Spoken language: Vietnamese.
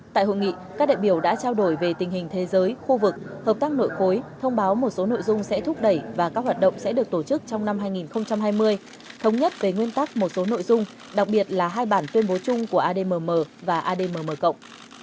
tại hội nghị các đại biểu đã trao đổi về tình hình thế giới khu vực hợp tác nội khối thông báo một số nội dung sẽ thúc đẩy và các hoạt động sẽ được tổ chức trong năm hai nghìn hai mươi thống nhất về nguyên tắc một số nội dung đặc biệt là hai bản tuyên bố chung của admm và admm cộng